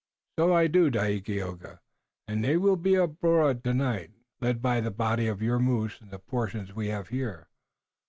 "So I do, Dagaeoga, and they will be abroad tonight, led by the body of your moose and the portion we have here.